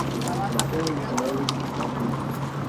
La sede del condado es Carlisle.